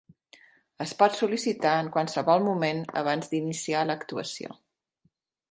Es pot sol·licitar en qualsevol moment, abans d'iniciar l'actuació.